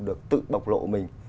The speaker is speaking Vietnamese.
được tự bộc lộ mình